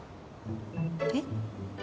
えっ？